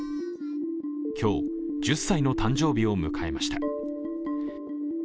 今日、１０歳の誕生日を迎えました。